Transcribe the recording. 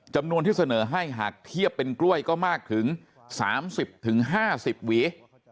จำนวนที่เสนอให้หากเทียบเป็นกล้วยก็มากถึง๓๐๕๐หวี